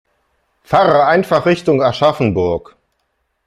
Fahre einfach Richtung Aschaffenburg